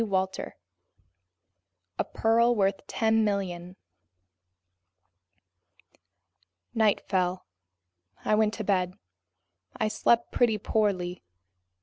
CHAPTER 3 A Pearl Worth Ten Million NIGHT FELL. I went to bed. I slept pretty poorly.